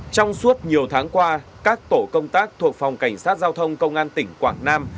trong suốt nhiều tháng qua các tổ công tác thuộc phòng cảnh sát giao thông công an tỉnh quảng nam